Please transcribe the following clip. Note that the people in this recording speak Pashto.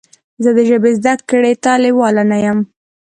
زه د ژبې زده کړې ته لیواله نه یم.